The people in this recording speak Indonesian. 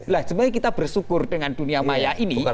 nah sebenarnya kita bersyukur dengan dunia maya ini